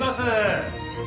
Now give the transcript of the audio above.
はい？